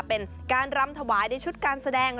เป็นการรำถวายในชุดการแสดง